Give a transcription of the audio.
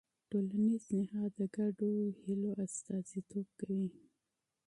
ټولنیز نهاد د ګډو هيلو استازیتوب کوي.